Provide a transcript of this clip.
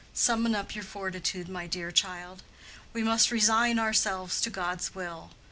Summon up your fortitude, my dear child; we must resign ourselves to God's will.